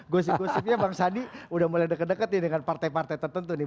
gosip gosipnya bang sandi sudah mulai dekat dekat ya dengan partai partai tertentu nih